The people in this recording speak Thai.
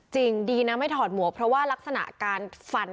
จริงดีนะไม่ถอดหมวกเพราะว่ารักษณะการฟัน